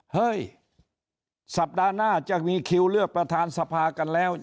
เฮ้ยสัปดาห์หน้าจะมีคิวเลือกประธานสภากันแล้ว